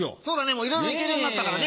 もういろいろ行けるようになったからね。